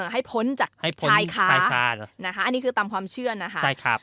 ให้พ้นจากชายค้านะคะอันนี้คือตามความเชื่อนะคะ